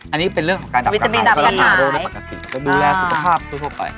อันนี้เป็นเรื่องของการดับกระถาดูแลสุขภาพทั่วไป